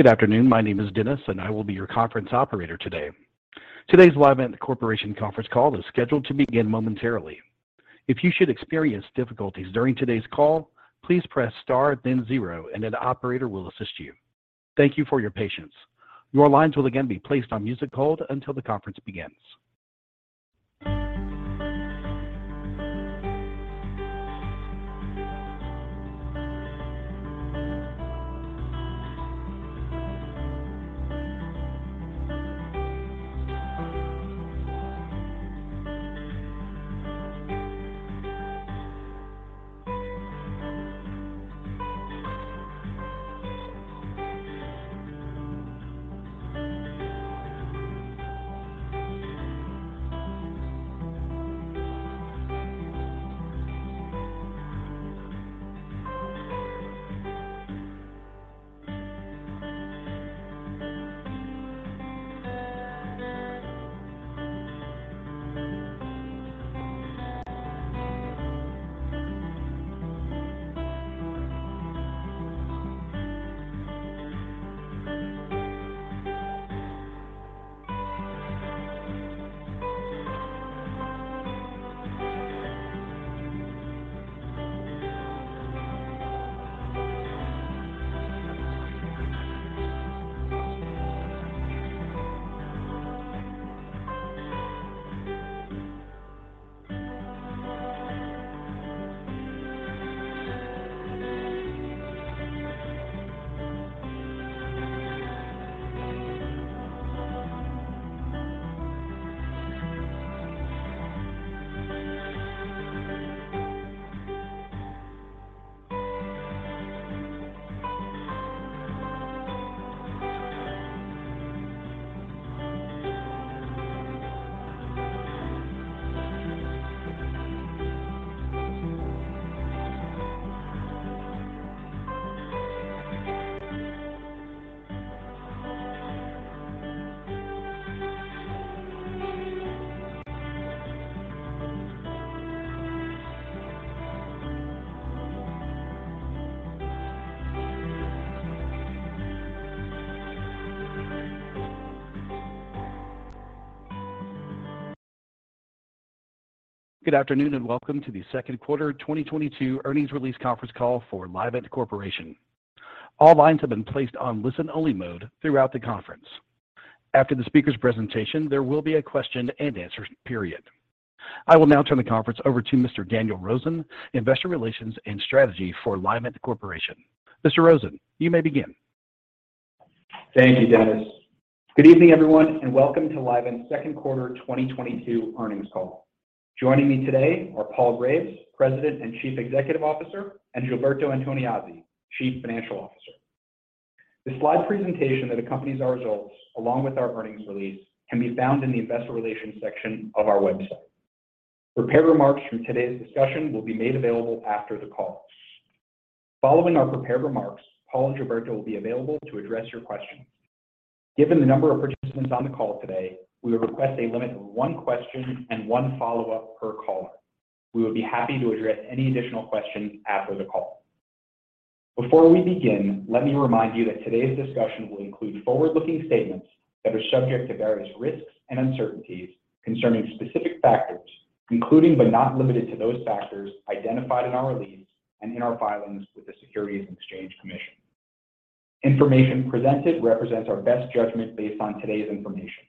Good afternoon, my name is Dennis, and I will be your conference operator today. Today's Livent Corporation conference call is scheduled to begin momentarily. If you should experience difficulties during today's call, please press star then zero, and an operator will assist you. Thank you for your patience. Your lines will again be placed on music hold until the conference begins. Good afternoon, and welcome to the second quarter 2022 earnings release conference call for Livent Corporation. All lines have been placed on listen-only mode throughout the conference. After the speaker's presentation, there will be a question and answer period. I will now turn the conference over to Mr. Daniel Rosen, Investor Relations and Strategy for Livent Corporation. Mr. Rosen, you may begin. Thank you, Dennis. Good evening, everyone, and welcome to Livent's second quarter 2022 earnings call. Joining me today are Paul Graves, President and Chief Executive Officer, and Gilberto Antoniazzi, Chief Financial Officer. The slide presentation that accompanies our results, along with our earnings release, can be found in the investor relations section of our website. Prepared remarks from today's discussion will be made available after the call. Following our prepared remarks, Paul and Gilberto will be available to address your questions. Given the number of participants on the call today, we request a limit of one question and one follow-up per caller. We will be happy to address any additional questions after the call. Before we begin, let me remind you that today's discussion will include forward-looking statements that are subject to various risks and uncertainties concerning specific factors, including, but not limited to, those factors identified in our release and in our filings with the Securities and Exchange Commission. Information presented represents our best judgment based on today's information.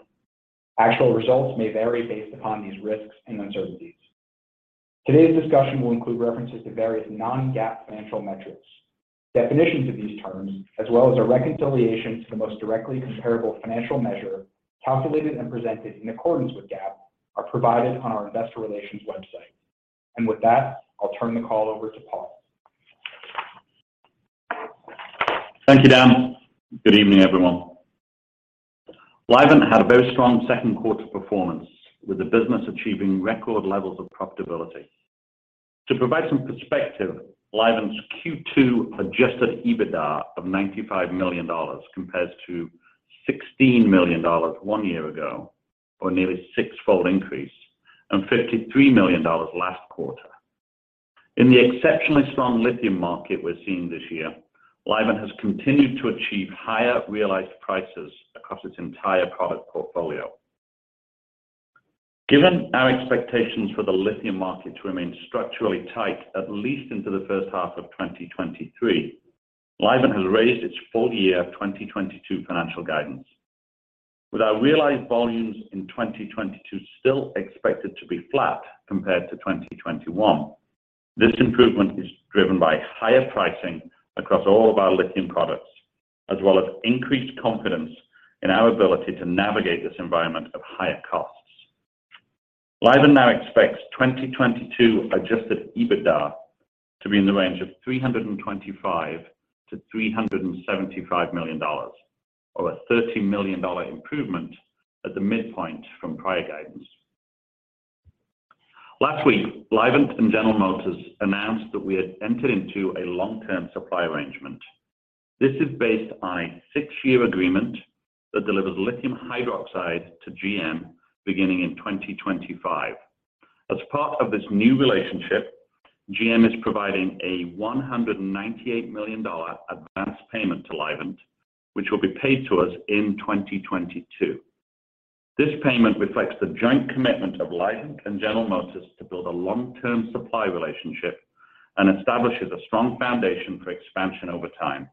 Actual results may vary based upon these risks and uncertainties. Today's discussion will include references to various non-GAAP financial metrics. Definitions of these terms, as well as a reconciliation to the most directly comparable financial measure calculated and presented in accordance with GAAP, are provided on our investor relations website. With that, I'll turn the call over to Paul. Thank you, Dan. Good evening, everyone. Livent had a very strong second quarter performance, with the business achieving record levels of profitability. To provide some perspective, Livent's Q2 adjusted EBITDA of $95 million compares to $16 million one year ago or nearly six-fold increase and $53 million last quarter. In the exceptionally strong lithium market we're seeing this year, Livent has continued to achieve higher realized prices across its entire product portfolio. Given our expectations for the lithium market to remain structurally tight at least into the first half of 2023, Livent has raised its full-year 2022 financial guidance. With our realized volumes in 2022 still expected to be flat compared to 2021, this improvement is driven by higher pricing across all of our lithium products, as well as increased confidence in our ability to navigate this environment of higher costs. Livent now expects 2022 adjusted EBITDA to be in the range of $325-$375 million, or a $30 million improvement at the midpoint from prior guidance. Last week, Livent and General Motors announced that we had entered into a long-term supply arrangement. This is based on a six-year agreement that delivers lithium hydroxide to GM beginning in 2025. As part of this new relationship, GM is providing a $198 million advance payment to Livent, which will be paid to us in 2022. This payment reflects the joint commitment of Livent and General Motors to build a long-term supply relationship and establishes a strong foundation for expansion over time.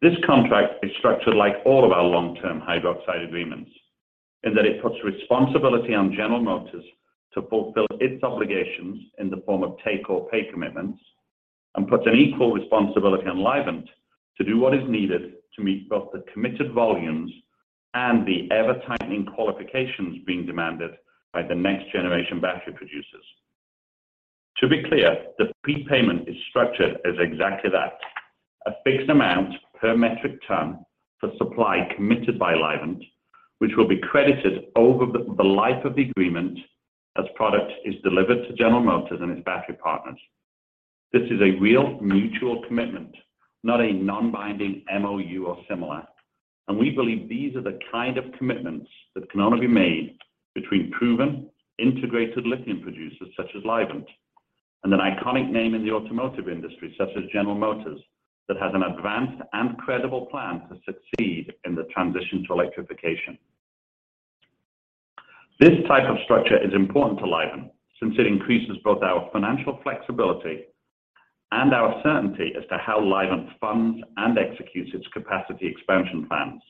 This contract is structured like all of our long-term hydroxide agreements in that it puts responsibility on General Motors to fulfill its obligations in the form of take or pay commitments and puts an equal responsibility on Livent to do what is needed to meet both the committed volumes and the ever-tightening qualifications being demanded by the next generation battery producers. To be clear, the prepayment is structured as exactly that, a fixed amount per metric ton for supply committed by Livent, which will be credited over the life of the agreement as product is delivered to General Motors and its battery partners. This is a real mutual commitment, not a non-binding MOU or similar. We believe these are the kind of commitments that can only be made between proven, integrated lithium producers such as Livent and an iconic name in the automotive industry such as General Motors that has an advanced and credible plan to succeed in the transition to electrification. This type of structure is important to Livent since it increases both our financial flexibility and our certainty as to how Livent funds and executes its capacity expansion plans.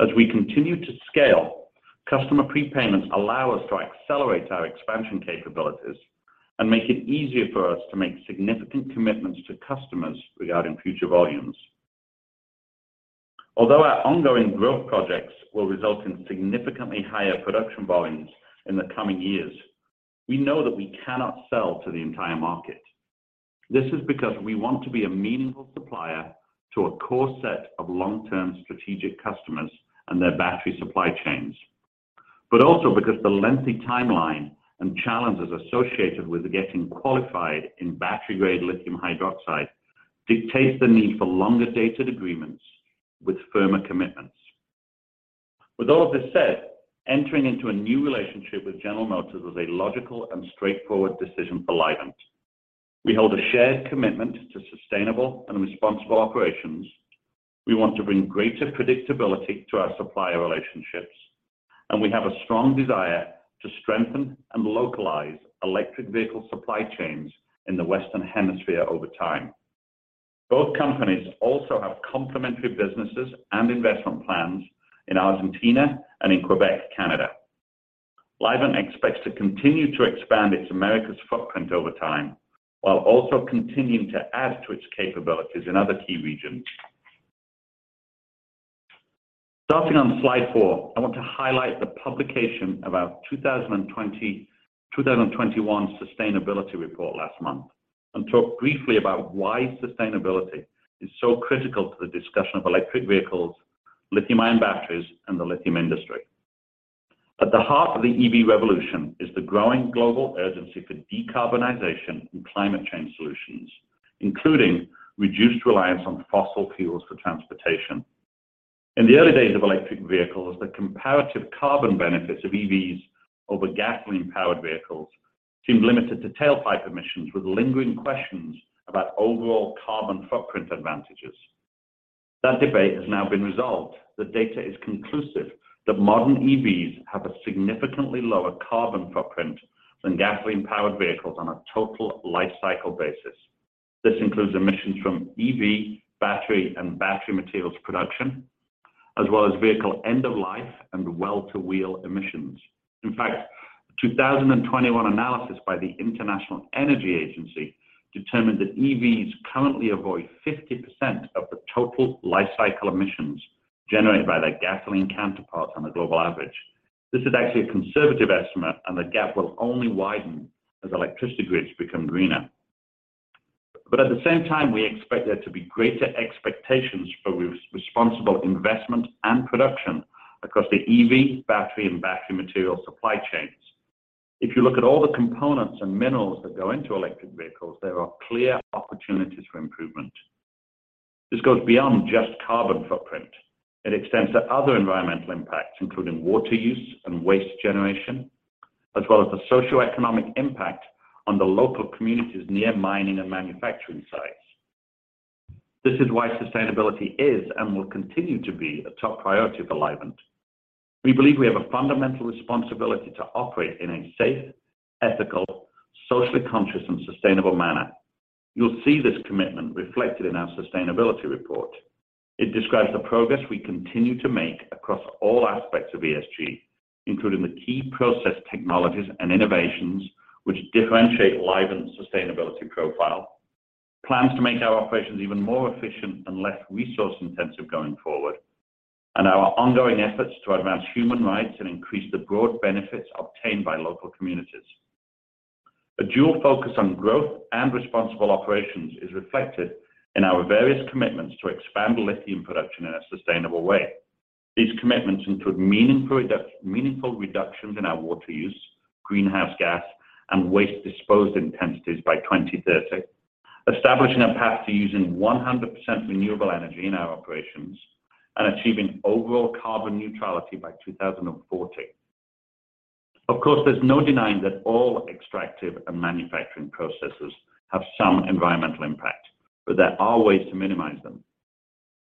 As we continue to scale, customer prepayments allow us to accelerate our expansion capabilities and make it easier for us to make significant commitments to customers regarding future volumes. Although our ongoing growth projects will result in significantly higher production volumes in the coming years, we know that we cannot sell to the entire market. This is because we want to be a meaningful supplier to a core set of long-term strategic customers and their battery supply chains, but also because the lengthy timeline and challenges associated with getting qualified in battery-grade lithium hydroxide dictates the need for longer-dated agreements with firmer commitments. With all of this said, entering into a new relationship with General Motors was a logical and straightforward decision for Livent. We hold a shared commitment to sustainable and responsible operations. We want to bring greater predictability to our supplier relationships, and we have a strong desire to strengthen and localize electric vehicle supply chains in the Western Hemisphere over time. Both companies also have complementary businesses and investment plans in Argentina and in Québec, Canada. Livent expects to continue to expand its Americas footprint over time while also continuing to add to its capabilities in other key regions. Starting on slide four, I want to highlight the publication of our 2020-2021 sustainability report last month and talk briefly about why sustainability is so critical to the discussion of electric vehicles, lithium-ion batteries, and the lithium industry. At the heart of the EV revolution is the growing global urgency for decarbonization and climate change solutions, including reduced reliance on fossil fuels for transportation. In the early days of electric vehicles, the comparative carbon benefits of EVs over gasoline-powered vehicles seemed limited to tailpipe emissions with lingering questions about overall carbon footprint advantages. That debate has now been resolved. The data is conclusive that modern EVs have a significantly lower carbon footprint than gasoline-powered vehicles on a total lifecycle basis. This includes emissions from EV, battery, and battery materials production, as well as vehicle end-of-life and well-to-wheel emissions. In fact, a 2021 analysis by the International Energy Agency determined that EVs currently avoid 50% of the total lifecycle emissions generated by their gasoline counterparts on a global average. This is actually a conservative estimate, and the gap will only widen as electricity grids become greener. At the same time, we expect there to be greater expectations for responsible investment and production across the EV, battery, and battery materials supply chains. If you look at all the components and minerals that go into electric vehicles, there are clear opportunities for improvement. This goes beyond just carbon footprint. It extends to other environmental impacts, including water use and waste generation, as well as the socioeconomic impact on the local communities near mining and manufacturing sites. This is why sustainability is and will continue to be a top priority for Livent. We believe we have a fundamental responsibility to operate in a safe, ethical, socially conscious, and sustainable manner. You'll see this commitment reflected in our sustainability report. It describes the progress we continue to make across all aspects of ESG, including the key process technologies and innovations which differentiate Livent's sustainability profile, plans to make our operations even more efficient and less resource-intensive going forward, and our ongoing efforts to advance human rights and increase the broad benefits obtained by local communities. A dual focus on growth and responsible operations is reflected in our various commitments to expand lithium production in a sustainable way. These commitments include meaningful reductions in our water use, greenhouse gas, and waste disposed intensities by 2030. Establishing a path to using 100% renewable energy in our operations and achieving overall carbon neutrality by 2040. Of course, there's no denying that all extractive and manufacturing processes have some environmental impact, but there are ways to minimize them.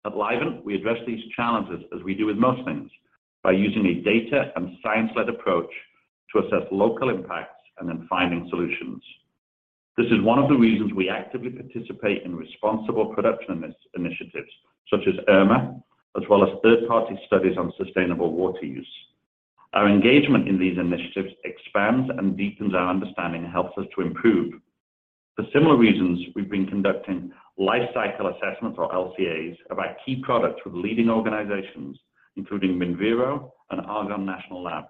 At Livent, we address these challenges as we do with most things, by using a data and science-led approach to assess local impacts and then finding solutions. This is one of the reasons we actively participate in responsible production initiatives such as IRMA, as well as third-party studies on sustainable water use. Our engagement in these initiatives expands and deepens our understanding and helps us to improve. For similar reasons, we've been conducting life cycle assessments or LCAs of our key products with leading organizations, including Minviro and Argonne National Laboratory.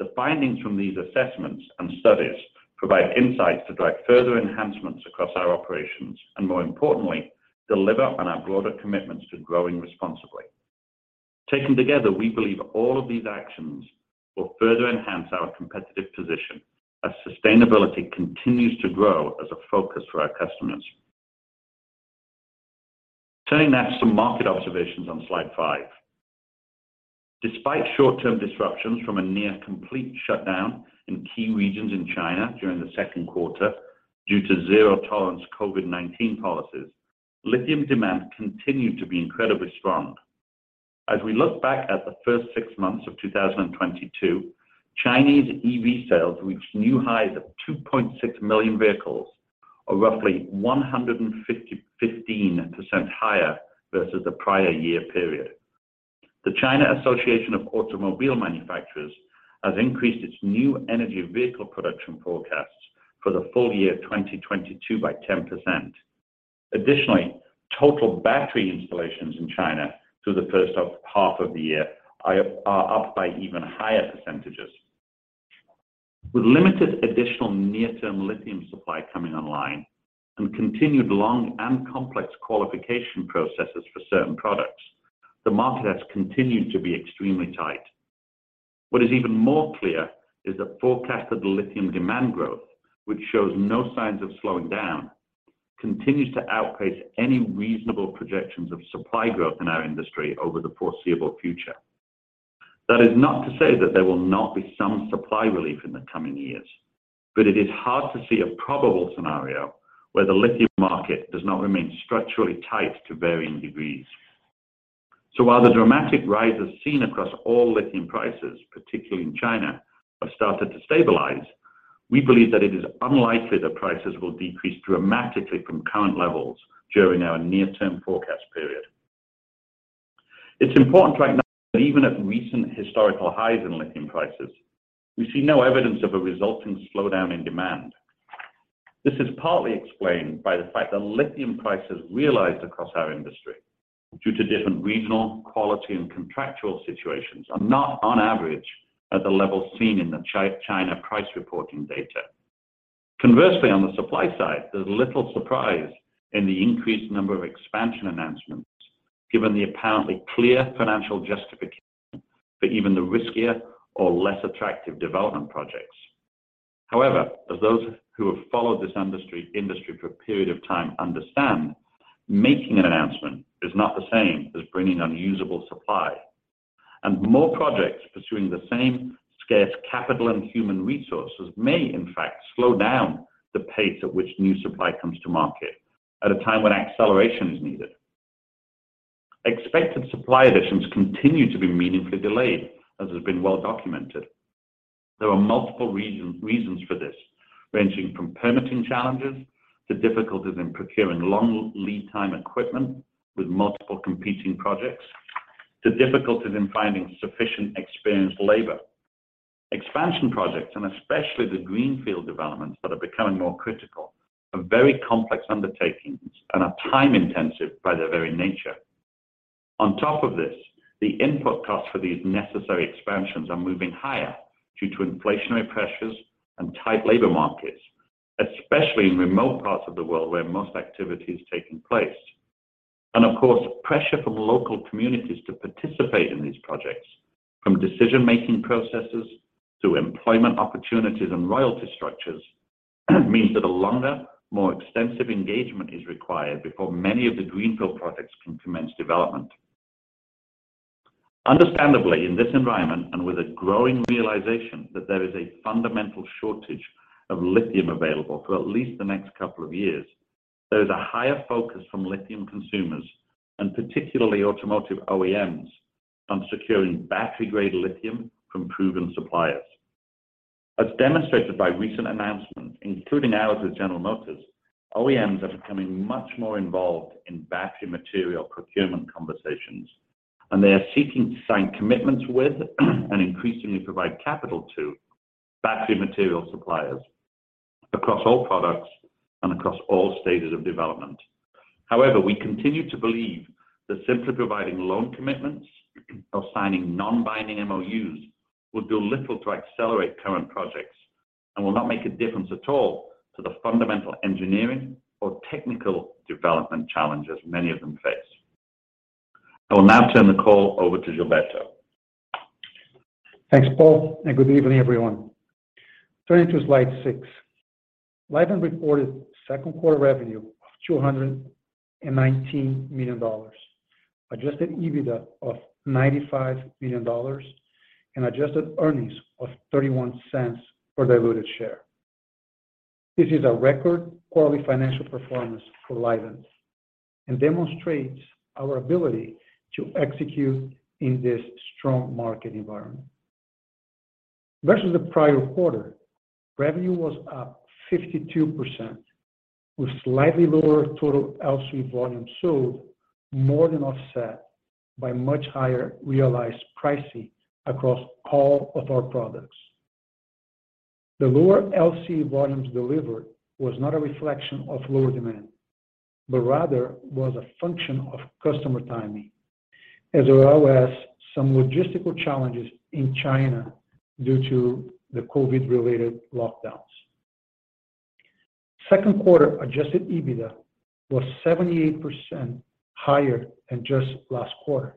The findings from these assessments and studies provide insights to drive further enhancements across our operations and, more importantly, deliver on our broader commitments to growing responsibly. Taken together, we believe all of these actions will further enhance our competitive position as sustainability continues to grow as a focus for our customers. Turning now to some market observations on slide five. Despite short-term disruptions from a near complete shutdown in key regions in China during the second quarter due to zero-tolerance COVID-19 policies, lithium demand continued to be incredibly strong. As we look back at the first six months of 2022, Chinese EV sales reached new highs of 2.6 million vehicles, or roughly 155% higher versus the prior year period. The China Association of Automobile Manufacturers has increased its new energy vehicle production forecasts for the full year 2022 by 10%. Additionally, total battery installations in China through the first half of the year are up by even higher percentages. With limited additional near-term lithium supply coming online and continued long and complex qualification processes for certain products, the market has continued to be extremely tight. What is even more clear is that forecasted lithium demand growth, which shows no signs of slowing down, continues to outpace any reasonable projections of supply growth in our industry over the foreseeable future. That is not to say that there will not be some supply relief in the coming years, but it is hard to see a probable scenario where the lithium market does not remain structurally tight to varying degrees. While the dramatic rises seen across all lithium prices, particularly in China, have started to stabilize, we believe that it is unlikely that prices will decrease dramatically from current levels during our near-term forecast period. It's important to recognize that even at recent historical highs in lithium prices, we see no evidence of a resulting slowdown in demand. This is partly explained by the fact that lithium prices realized across our industry, due to different regional, quality, and contractual situations, are not on average at the levels seen in the China price reporting data. Conversely, on the supply side, there's little surprise in the increased number of expansion announcements, given the apparently clear financial justification for even the riskier or less attractive development projects. However, as those who have followed this industry for a period of time understand, making an announcement is not the same as bringing on usable supply. More projects pursuing the same scarce capital and human resources may in fact slow down the pace at which new supply comes to market at a time when acceleration is needed. Expected supply additions continue to be meaningfully delayed, as has been well documented. There are multiple reasons for this, ranging from permitting challenges to difficulties in procuring long lead time equipment with multiple competing projects to difficulties in finding sufficient experienced labor. Expansion projects, and especially the greenfield developments that are becoming more critical, are very complex undertakings and are time intensive by their very nature. On top of this, the input costs for these necessary expansions are moving higher due to inflationary pressures and tight labor markets, especially in remote parts of the world where most activity is taking place. Of course, pressure from local communities to participate in these projects from decision-making processes through employment opportunities and royalty structures means that a longer, more extensive engagement is required before many of the greenfield projects can commence development. Understandably, in this environment, and with a growing realization that there is a fundamental shortage of lithium available for at least the next couple of years, there is a higher focus from lithium consumers and particularly automotive OEMs on securing battery-grade lithium from proven suppliers. As demonstrated by recent announcements, including ours with General Motors, OEMs are becoming much more involved in battery material procurement conversations, and they are seeking to sign commitments with and increasingly provide capital to battery material suppliers across all products and across all stages of development. However, we continue to believe that simply providing loan commitments or signing non-binding MOUs will do little to accelerate current projects and will not make a difference at all to the fundamental engineering or technical development challenges many of them face. I will now turn the call over to Gilberto. Thanks, Paul, and good evening everyone. Turning to slide six. Livent reported second quarter revenue of $219 million, adjusted EBITDA of $95 million and adjusted earnings of $0.31 per diluted share. This is a record quarterly financial performance for Livent and demonstrates our ability to execute in this strong market environment. Versus the prior quarter, revenue was up 52% with slightly lower total LCE volume sold more than offset by much higher realized pricing across all of our products. The lower LCE volumes delivered was not a reflection of lower demand, but rather was a function of customer timing, as well as some logistical challenges in China due to the COVID-related lockdowns. Second quarter adjusted EBITDA was 78% higher than just last quarter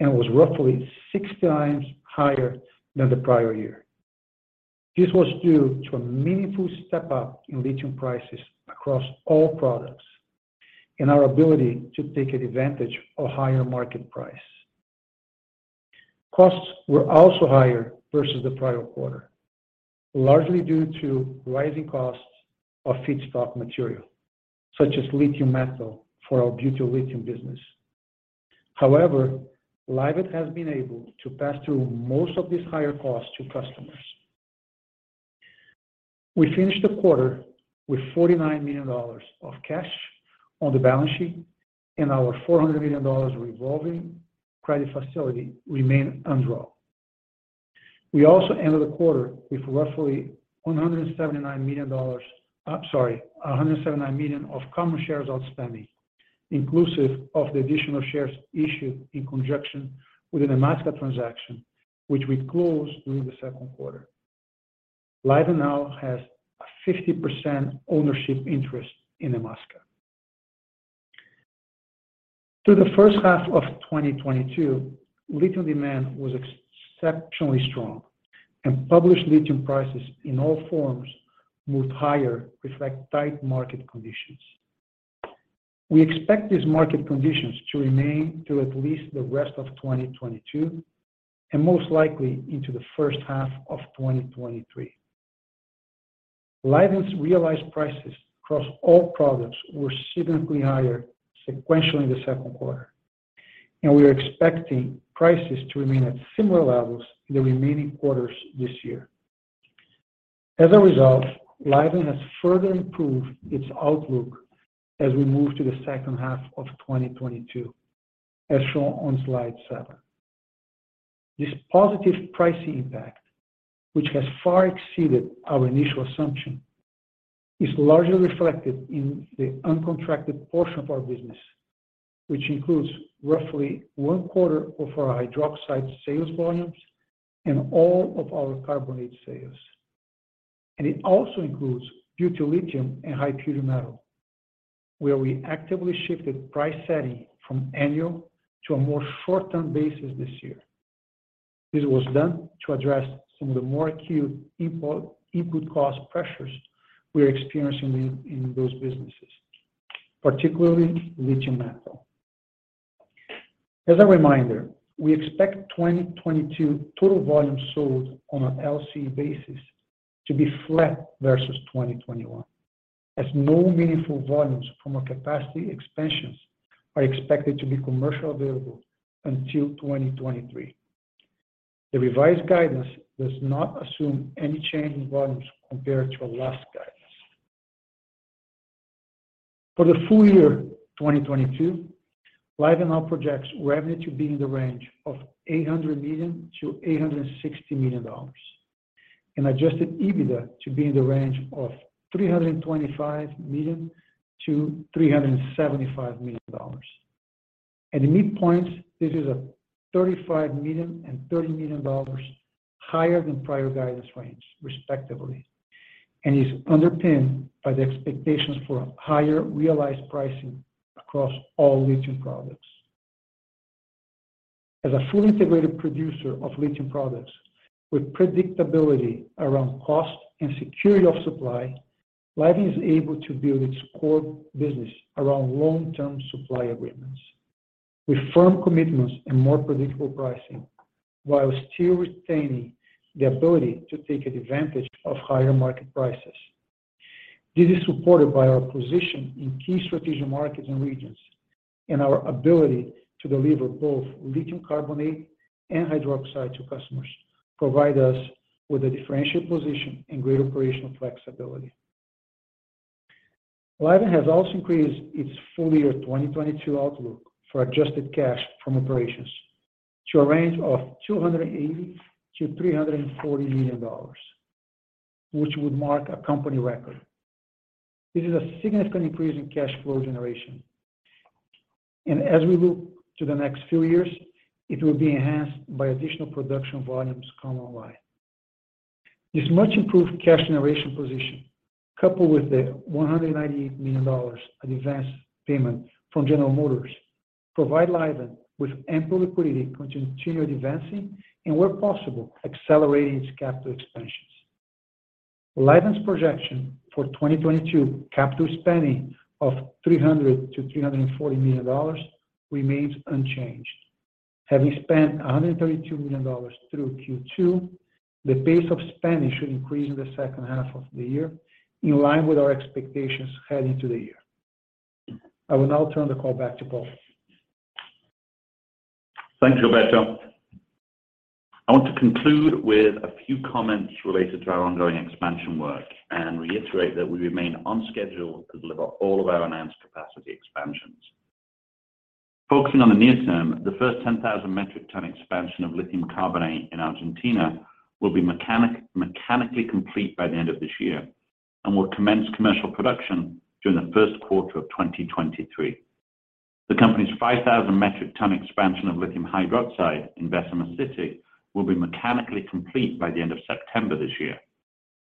and was roughly 6 times higher than the prior year. This was due to a meaningful step up in lithium prices across all products and our ability to take advantage of higher market price. Costs were also higher versus the prior quarter, largely due to rising costs of feedstock material, such as lithium metal for our butyllithium business. However, Livent has been able to pass through most of these higher costs to customers. We finished the quarter with $49 million of cash on the balance sheet and our $400 million revolving credit facility remain undrawn. We also ended the quarter with roughly 179 million of common shares outstanding, inclusive of the additional shares issued in conjunction with the Nemaska transaction, which we closed during the second quarter. Livent now has a 50% ownership interest in Nemaska. Through the first half of 2022, lithium demand was exceptionally strong, and published lithium prices in all forms moved higher, reflecting tight market conditions. We expect these market conditions to remain through at least the rest of 2022 and most likely into the first half of 2023. Livent's realized prices across all products were significantly higher sequentially in the second quarter, and we're expecting prices to remain at similar levels in the remaining quarters this year. As a result, Livent has further improved its outlook as we move to the second half of 2022, as shown on slide seven. This positive pricing impact, which has far exceeded our initial assumption, is largely reflected in the uncontracted portion of our business, which includes roughly one quarter of our hydroxide sales volumes and all of our carbonate sales. It also includes butyllithium and high-purity metal, where we actively shifted price setting from annual to a more short-term basis this year. This was done to address some of the more acute import input cost pressures we're experiencing in those businesses, particularly lithium metal. As a reminder, we expect 2022 total volumes sold on an LCE basis to be flat versus 2021, as no meaningful volumes from our capacity expansions are expected to be commercially available until 2023. The revised guidance does not assume any change in volumes compared to our last guidance. For the full year 2022, Livent now projects revenue to be in the range of $800 million-$860 million, and adjusted EBITDA to be in the range of $325 million-$375 million. At the midpoint, this is a $35 million and $30 million higher than prior guidance range, respectively, and is underpinned by the expectations for higher realized pricing across all lithium products. As a fully integrated producer of lithium products with predictability around cost and security of supply, Livent is able to build its core business around long-term supply agreements with firm commitments and more predictable pricing while still retaining the ability to take advantage of higher market prices. This is supported by our position in key strategic markets and regions, and our ability to deliver both lithium carbonate and hydroxide to customers provide us with a differentiated position and greater operational flexibility. Livent has also increased its full year 2022 outlook for adjusted cash from operations to a range of $280 million-$340 million, which would mark a company record. This is a significant increase in cash flow generation. As we look to the next few years, it will be enhanced by additional production volumes coming online. This much improved cash generation position, coupled with the $198 million of advanced payment from General Motors, provide Livent with ample liquidity to continue advancing and where possible, accelerating its capital expansions. Livent's projection for 2022 capital spending of $300-$340 million remains unchanged. Having spent $132 million through Q2, the pace of spending should increase in the second half of the year in line with our expectations heading to the year. I will now turn the call back to Paul. Thanks, Roberto. I want to conclude with a few comments related to our ongoing expansion work and reiterate that we remain on schedule to deliver all of our enhanced capacity expansions. Focusing on the near term, the first 10,000 metric ton expansion of lithium carbonate in Argentina will be mechanically complete by the end of this year, and will commence commercial production during the first quarter of 2023. The company's 5,000 metric ton expansion of lithium hydroxide in Bessemer City will be mechanically complete by the end of September this year,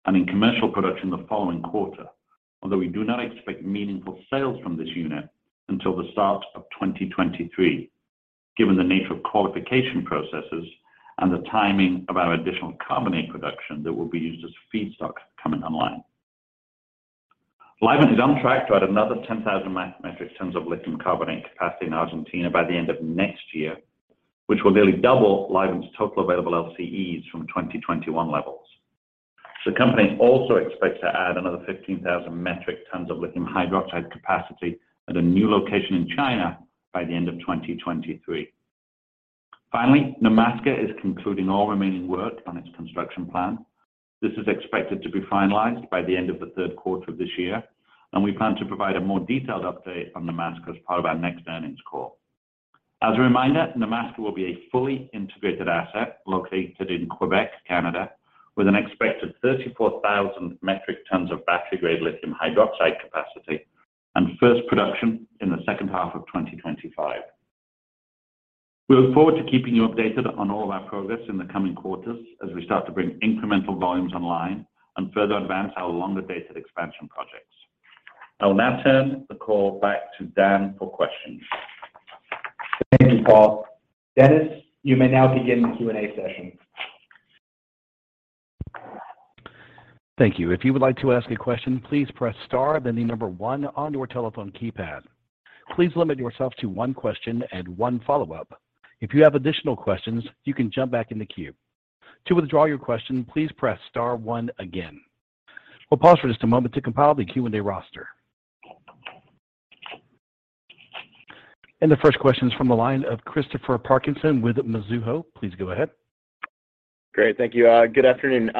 and in commercial production the following quarter. Although we do not expect meaningful sales from this unit until the start of 2023, given the nature of qualification processes and the timing of our additional carbonate production that will be used as feedstock coming online. Livent is on track to add another 10,000 metric tons of lithium carbonate capacity in Argentina by the end of next year, which will nearly double Livent's total available LCEs from 2021 levels. The company also expects to add another 15,000 metric tons of lithium hydroxide capacity at a new location in China by the end of 2023. Finally, Nemaska is concluding all remaining work on its construction plan. This is expected to be finalized by the end of the third quarter of this year, and we plan to provide a more detailed update on Nemaska as part of our next earnings call. As a reminder, Nemaska will be a fully integrated asset located in Québec, Canada, with an expected 34,000 metric tons of battery-grade lithium hydroxide capacity and first production in the second half of 2025. We look forward to keeping you updated on all of our progress in the coming quarters as we start to bring incremental volumes online and further advance our longer-dated expansion projects. I will now turn the call back to Dan for questions. Thank you, Paul. Dennis, you may now begin the Q&A session. Thank you. If you would like to ask a question, please press star, then the number one on your telephone keypad. Please limit yourself to one question and one follow-up. If you have additional questions, you can jump back in the queue. To withdraw your question, please press star one again. We'll pause for just a moment to compile the Q&A roster. The first question is from the line of Christopher Parkinson with Mizuho. Please go ahead. Great. Thank you. Good afternoon.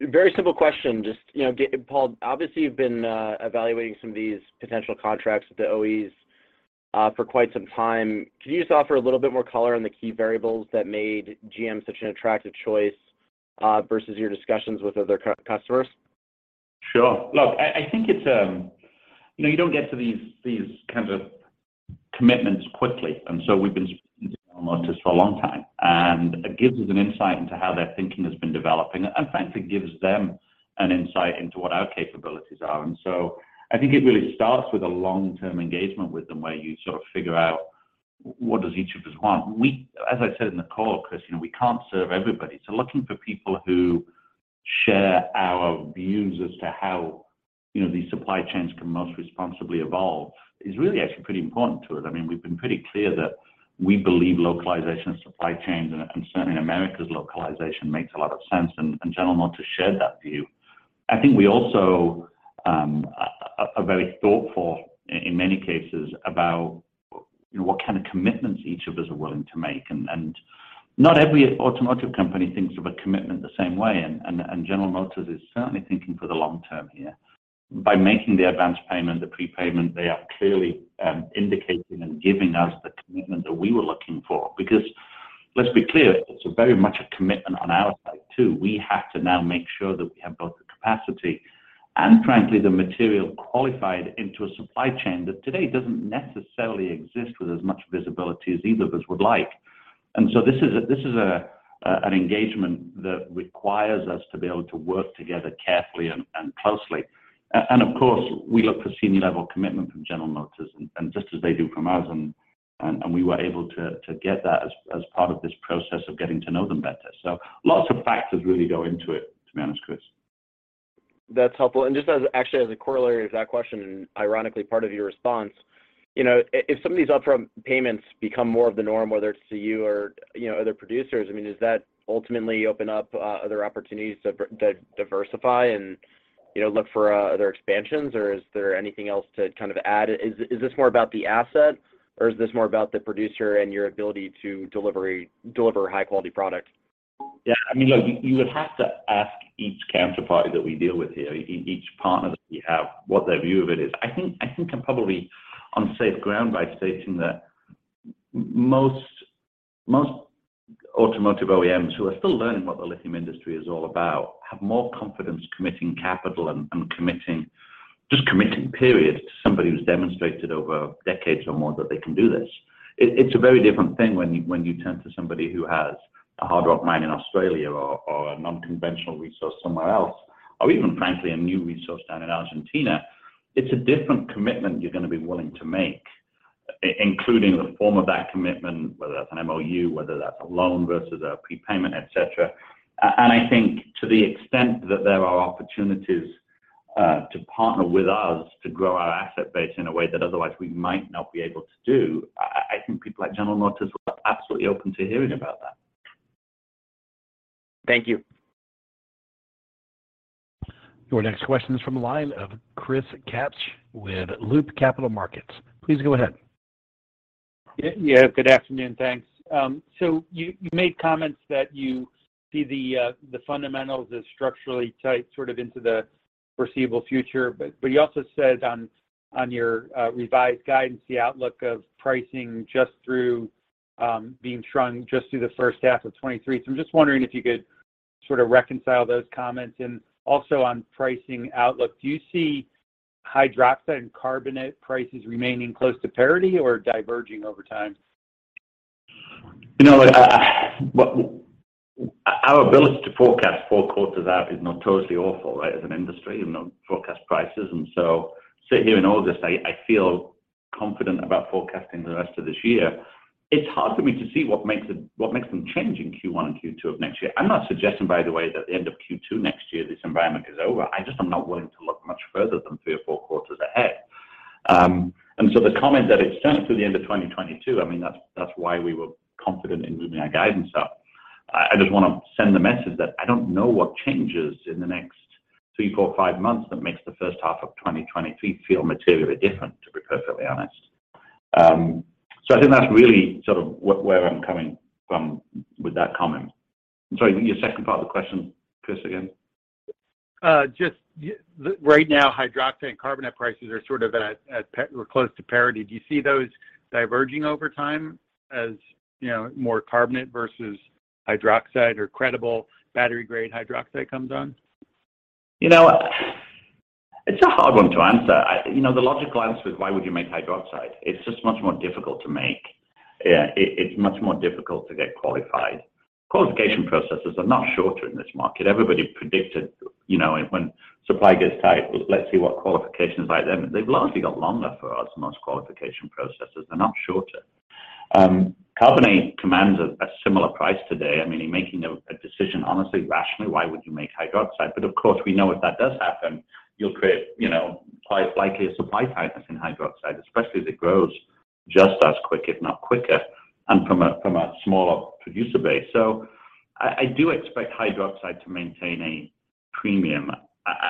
Very simple question. Just, you know, Paul, obviously you've been evaluating some of these potential contracts with the OEMs for quite some time. Can you just offer a little bit more color on the key variables that made GM such an attractive choice versus your discussions with other customers? Sure. Look, I think it's you know, you don't get to these kind of commitments quickly, and so we've been speaking to General Motors for a long time, and it gives us an insight into how their thinking has been developing. Frankly, it gives them an insight into what our capabilities are. I think it really starts with a long-term engagement with them, where you sort of figure out what does each of us want. As I said in the call, Chris, you know, we can't serve everybody. Looking for people who share our views as to how, you know, these supply chains can most responsibly evolve is really actually pretty important to us. I mean, we've been pretty clear that we believe localization of supply chains and certainly America's localization makes a lot of sense, and General Motors shared that view. I think we also are very thoughtful in many cases about, you know, what kind of commitments each of us are willing to make. Not every automotive company thinks of a commitment the same way, and General Motors is certainly thinking for the long term here. By making the advanced payment, the prepayment, they are clearly indicating and giving us the commitment that we were looking for. Because let's be clear, it's very much a commitment on our side, too. We have to now make sure that we have both the capacity and frankly, the material qualified into a supply chain that today doesn't necessarily exist with as much visibility as either of us would like. This is an engagement that requires us to be able to work together carefully and closely. Of course, we look for senior level commitment from General Motors and just as they do from us and we were able to get that as part of this process of getting to know them better. Lots of factors really go into it, to be honest, Chris. That's helpful. Just as actually as a corollary to that question, and ironically part of your response, you know, if some of these upfront payments become more of the norm, whether it's to you or, you know, other producers, I mean, does that ultimately open up other opportunities to diversify and, you know, look for other expansions, or is there anything else to kind of add? Is this more about the asset, or is this more about the producer and your ability to deliver high quality product? Yeah. I mean, look, you would have to ask each counterparty that we deal with here, each partner that we have, what their view of it is. I think I'm probably on safe ground by stating that most automotive OEMs who are still learning what the lithium industry is all about have more confidence committing capital and committing, just committing, period, to somebody who's demonstrated over decades or more that they can do this. It's a very different thing when you turn to somebody who has a hard rock mine in Australia or a non-conventional resource somewhere else, or even frankly, a new resource down in Argentina. It's a different commitment you're gonna be willing to make, including the form of that commitment, whether that's an MOU, whether that's a loan versus a prepayment, et cetera. I think to the extent that there are opportunities to partner with us to grow our asset base in a way that otherwise we might not be able to do, I think people like General Motors are absolutely open to hearing about that. Thank you. Your next question is from the line of Christopher Kaps with Loop Capital Markets. Please go ahead. Yeah. Good afternoon. Thanks. You made comments that you see the fundementals as structurally tight sort of into the foreseeable future, but you also said on your revised guidance, the outlook of pricing just through the first half of 2023. I'm just wondering if you could sort of reconcile those comments and also on pricing outlook, do you see hydroxide and carbonate prices remaining close to parity or diverging over time? You know, well, our ability to forecast four quarters out is not totally awful, right, as an industry, you know, forecast prices. Sitting here in August, I feel confident about forecasting the rest of this year. It's hard for me to see what makes them change in Q1 and Q2 of next year. I'm not suggesting, by the way, that the end of Q2 next year, this environment is over. I just am not willing to look much further than three or four quarters ahead. The comment that it's certainly through the end of 2022, I mean, that's why we were confident in moving our guidance up. I just wanna send the message that I don't know what changes in the next three, four, five months that makes the first half of 2023 feel materially different, to be perfectly honest. I think that's really sort of where I'm coming from with that comment. I'm sorry, your second part of the question, Chris, again? Right now, hydroxide and carbonate prices are sort of at par, were close to parity. Do you see those diverging over time as you know, more carbonate versus hydroxide or credible battery-grade hydroxide comes on? You know, it's a hard one to answer. You know, the logical answer is why would you make hydroxide? It's just much more difficult to make. It's much more difficult to get qualified. Qualification processes are not shorter in this market. Everybody predicted, you know, when supply gets tight, well, let's see what qualifications are like then. They've largely got longer for us, most qualification processes. They're not shorter. Carbonate commands a similar price today. I mean, you're making a decision, honestly, rationally, why would you make hydroxide? Of course, we know if that does happen, you'll create, you know, quite likely a supply tightness in hydroxide, especially as it grows just as quick, if not quicker, and from a smaller producer base. I do expect hydroxide to maintain a premium. I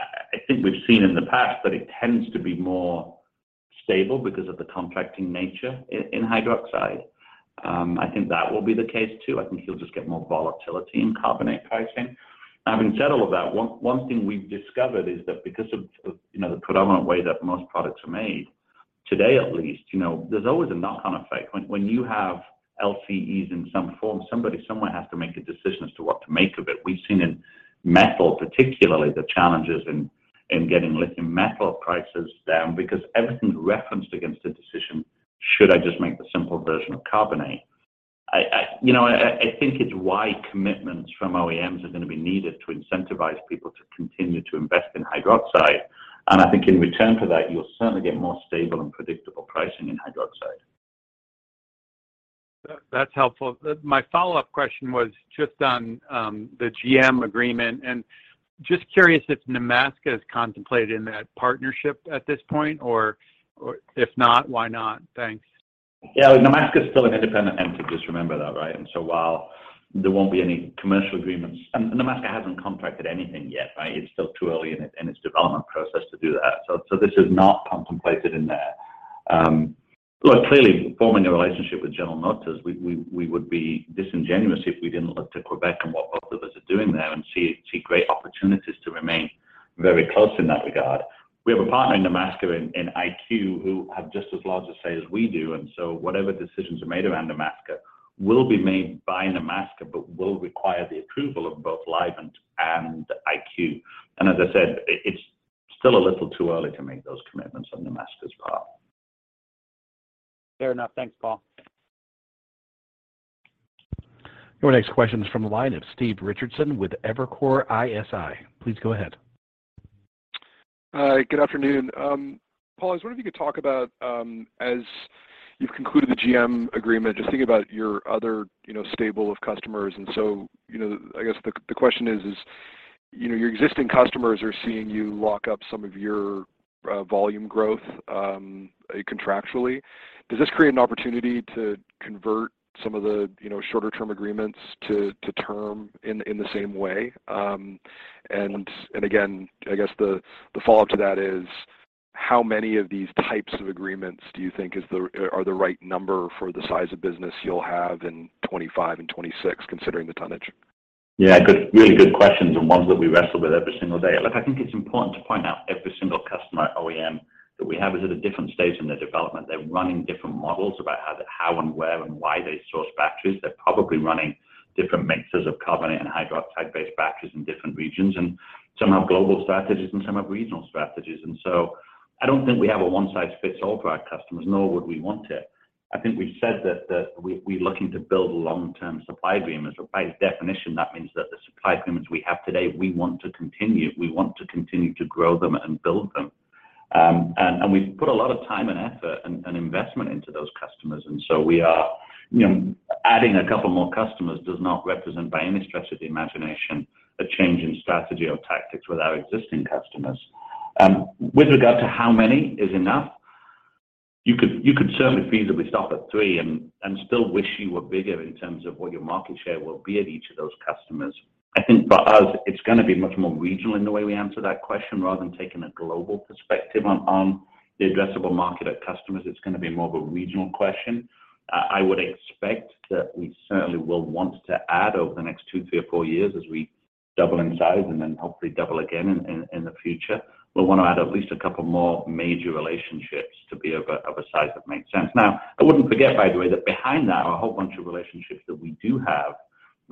think we've seen in the past that it tends to be more stable because of the conversion nature in hydroxide. I think that will be the case too. I think you'll just get more volatility in carbonate pricing. Having said all of that, one thing we've discovered is that because of, you know, the predominant way that most products are made today, at least, you know, there's always a knock-on effect. When you have LCEs in some form, somebody somewhere has to make a decision as to what to make of it. We've seen in metal, particularly the challenges in getting lithium metal prices down because everything's referenced against a decision, should I just make the simple version of carbonate? I think it's why commitments from OEMs are gonna be needed to incentivize people to continue to invest in hydroxide. I think in return for that, you'll certainly get more stable and predictable pricing in hydroxide. That's helpful. My follow-up question was just on the GM agreement, and just curious if Nemaska is contemplated in that partnership at this point, or if not, why not? Thanks. Yeah. Nemaska is still an independent entity. Just remember that, right? While there won't be any commercial agreements, and Nemaska hasn't contracted anything yet, right? It's still too early in its development process to do that. This is not contemplated in there. Look, clearly forming a relationship with General Motors, we would be disingenuous if we didn't look to Québec and what both of us are doing there and see great opportunities to remain very close in that regard. We have a partner in Nemaska, in IQ, who have just as large a say as we do, whatever decisions are made around Nemaska will be made by Nemaska, but will require the approval of both Livent and IQ. As I said, it's still a little too early to make those commitments on Nemaska's part. Fair enough. Thanks, Paul. Your next question is from the line of Stephen Richardson with Evercore ISI. Please go ahead. Hi, good afternoon. Paul, I was wondering if you could talk about, as you've concluded the GM agreement, just thinking about your other, you know, stable of customers. You know, I guess the question is, you know, your existing customers are seeing you lock up some of your volume growth contractually. Does this create an opportunity to convert some of the, you know, shorter term agreements to term in the same way? Again, I guess the follow-up to that is how many of these types of agreements do you think are the right number for the size of business you'll have in 25 and 26, considering the tonnage? Yeah. Really good questions and ones that we wrestle with every single day. Look, I think it's important to point out every single customer OEM that we have is at a different stage in their development. They're running different models about how and where and why they source batteries. They're probably running different mixes of carbonate and hydroxide based batteries in different regions, and some have global strategies and some have regional strategies. I don't think we have a one size fits all for our customers, nor would we want to. I think we've said that we're looking to build long-term supply agreements. By definition, that means that the supply agreements we have today, we want to continue. We want to continue to grow them and build them. We've put a lot of time and effort and investment into those customers, and so we are, you know, adding a couple more customers does not represent by any stretch of the imagination a change in strategy or tactics with our existing customers. With regard to how many is enough, you could certainly feasibly start at three and still wish you were bigger in terms of what your market share will be at each of those customers. I think for us, it's gonna be much more regional in the way we answer that question rather than taking a global perspective on the addressable market of customers. It's gonna be more of a regional question. I would expect that we certainly will want to add over the next two, three or four years as we double in size and then hopefully double again in the future. We'll want to add at least a couple more major relationships to be of a size that makes sense. Now, I wouldn't forget by the way that behind that are a whole bunch of relationships that we do have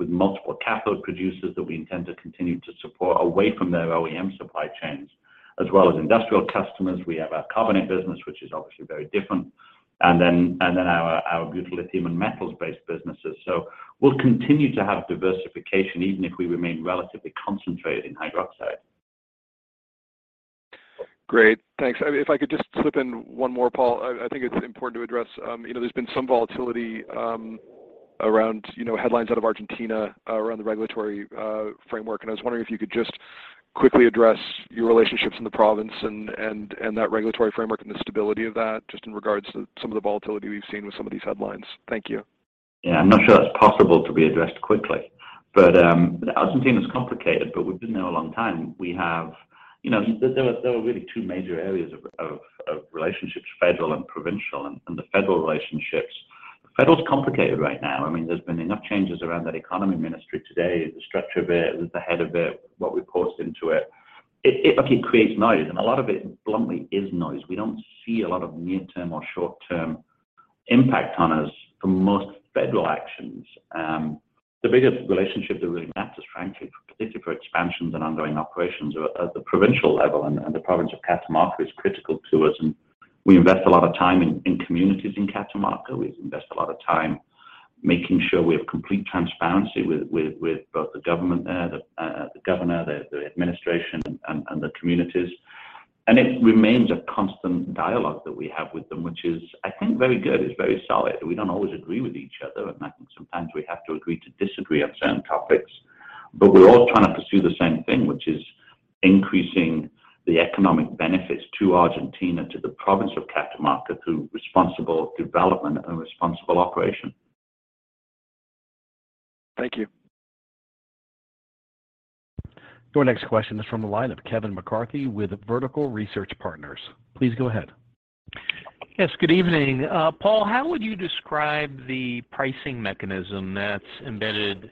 with multiple cathode producers that we intend to continue to support away from their OEM supply chains as well as industrial customers. We have our carbonate business which is obviously very different, and then our beautiful lithium and metals-based businesses. So we'll continue to have diversification even if we remain relatively concentrated in hydroxide. Great. Thanks. If I could just slip in one more, Paul. I think it's important to address, you know, there's been some volatility around, you know, headlines out of Argentina around the regulatory framework. I was wondering if you could just quickly address your relationships in the province and that regulatory framework and the stability of that just in regards to some of the volatility we've seen with some of these headlines. Thank you. Yeah, I'm not sure that's possible to be addressed quickly. Argentina's complicated, but we've been there a long time. We have, you know, there are really two major areas of relationships, federal and provincial. The federal relationships, federal's complicated right now. I mean, there's been enough changes around that economy ministry today, the structure of it, with the head of it, what we've put into it. It creates noise, and a lot of it bluntly is noise. We don't see a lot of near-term or short-term impact on us for most federal actions. The biggest relationship that really matters frankly, particularly for expansions and ongoing operations are at the provincial level and the province of Catamarca is critical to us, and we invest a lot of time in communities in Catamarca. We invest a lot of time making sure we have complete transparency with both the government there, the governor, the administration and the communities. It remains a constant dialogue that we have with them which is I think very good. It's very solid. We don't always agree with each other, and I think sometimes we have to agree to disagree on certain topics. We're all trying to pursue the same thing which is increasing the economic benefits to Argentina, to the province of Catamarca through responsible development and responsible operation. Thank you. Your next question is from the line of Kevin McCarthy with Vertical Research Partners. Please go ahead. Yes, good evening. Paul, how would you describe the pricing mechanism that's embedded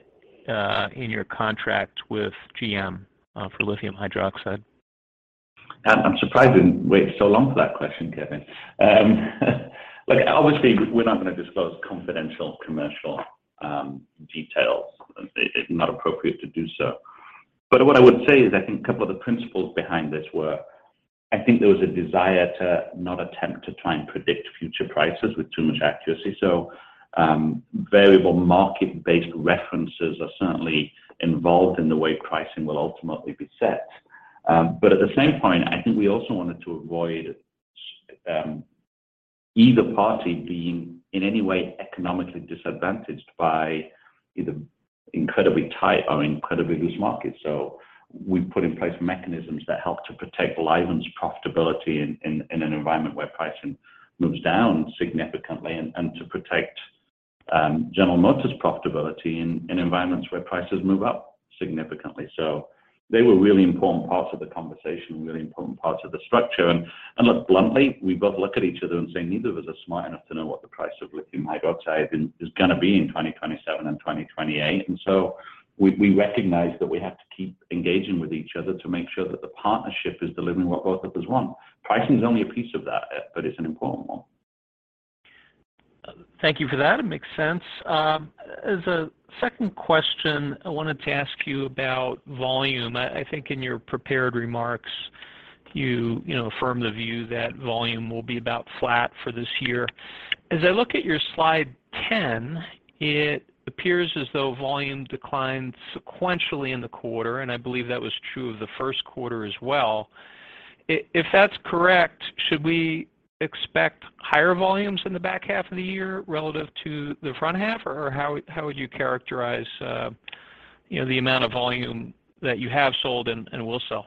in your contract with GM for lithium hydroxide? I'm surprised you waited so long for that question, Kevin. Look, obviously we're not going to disclose confidential commercial details. It's not appropriate to do so. What I would say is I think a couple of the principles behind this were I think there was a desire to not attempt to try and predict future prices with too much accuracy. Variable market-based references are certainly involved in the way pricing will ultimately be set. At the same point I think we also wanted to avoid either party being in any way economically disadvantaged by either incredibly tight or incredibly loose markets. We put in place mechanisms that help to protect Livent's profitability in an environment where pricing moves down significantly and to protect General Motors' profitability in environments where prices move up significantly. They were really important parts of the conversation and really important parts of the structure. Look bluntly, we both look at each other and say neither of us are smart enough to know what the price of lithium hydroxide is gonna be in 2027 and 2028. We recognize that we have to keep engaging with each other to make sure that the partnership is delivering what both of us want. Pricing is only a piece of that, but it's an important one. Thank you for that. It makes sense. As a second question I wanted to ask you about volume. I think in your prepared remarks you know affirmed the view that volume will be about flat for this year. As I look at your slide 10, it appears as though volume declined sequentially in the quarter, and I believe that was true of the first quarter as well. If that's correct, should we expect higher volumes in the back half of the year relative to the front half or how would you characterize you know the amount of volume that you have sold and will sell?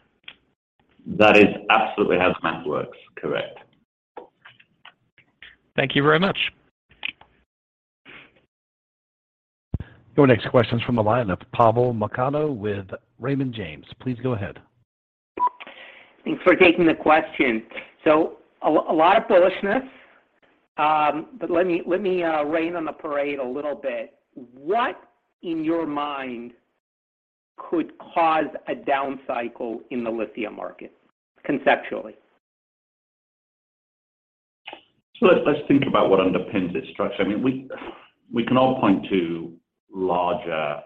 That is absolutely how the math works. Correct. Thank you very much. Your next question is from the line of Pavel Molchanov with Raymond James. Please go ahead. Thanks for taking the question. A lot of bullishness, but let me rain on the parade a little bit. What in your mind could cause a down cycle in the lithium market conceptually? Let's think about what underpins its structure. I mean, we can all point to larger,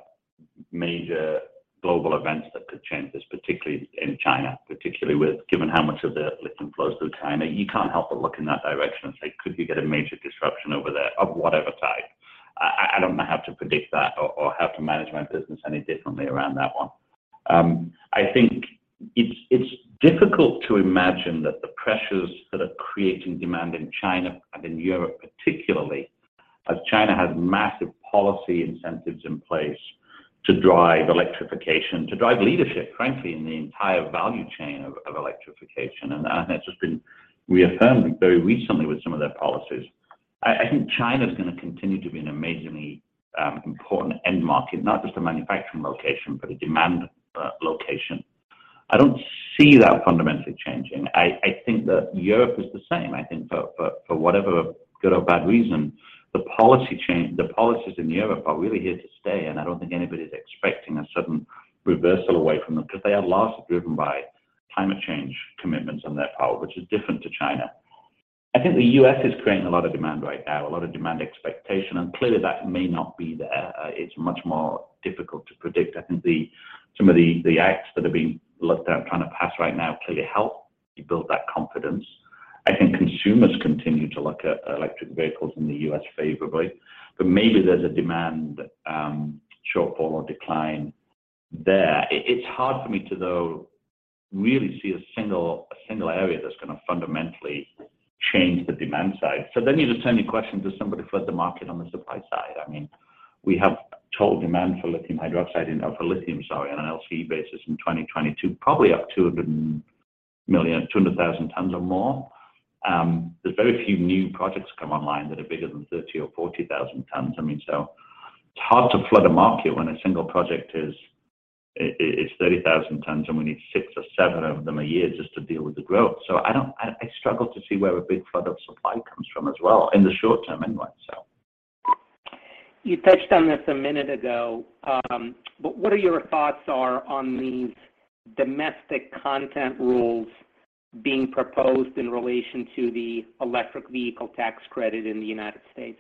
major global events that could change this, particularly in China, particularly given how much of the lithium flows through China. You can't help but look in that direction and say, "Could we get a major disruption over there of whatever type?" I don't know how to predict that or how to manage my business any differently around that one. I think it's difficult to imagine that the pressures that are creating demand in China and in Europe, particularly as China has massive policy incentives in place to drive electrification, to drive leadership, frankly, in the entire value chain of electrification. That has just been reaffirmed very recently with some of their policies. I think China's gonna continue to be an amazingly important end market, not just a manufacturing location, but a demand location. I don't see that fundamentally changing. I think that Europe is the same. I think for whatever good or bad reason, the policies in Europe are really here to stay, and I don't think anybody's expecting a sudden reversal away from them 'cause they are largely driven by climate change commitments on their power, which is different to China. I think the U.S. is creating a lot of demand right now, a lot of demand expectation, and clearly that may not be there. It's much more difficult to predict. I think some of the acts that are being looked at and trying to pass right now clearly help build that confidence. I think consumers continue to look at electric vehicles in the U.S. favorably, but maybe there's a demand shortfall or decline there. It's hard for me to, though, really see a single area that's gonna fundamentally change the demand side. You just turn your question to somebody flood the market on the supply side. I mean, we have total demand for lithium hydroxide or for lithium, sorry, on an LCE basis in 2022, probably up 200 million, 200,000 tons or more. There's very few new projects come online that are bigger than 30,000 or 40,000 tons. I mean, it's hard to flood a market when a single project is it's 30,000 tons, and we need six or seven of them a year just to deal with the growth. I don't, I struggle to see where a big flood of supply comes from as well in the short term anyway, so. You touched on this a minute ago, but what are your thoughts on these domestic content rules being proposed in relation to the electric vehicle tax credit in the United States?